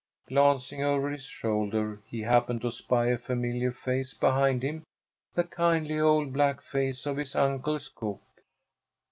Glancing over his shoulder, he happened to spy a familiar face behind him, the kindly old black face of his uncle's cook.